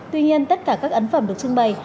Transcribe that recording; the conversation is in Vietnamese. tuy nhiên tất cả các ấn phẩm được trưng bày